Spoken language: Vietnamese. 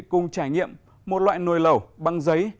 cùng trải nghiệm một loại nồi lẩu băng giấy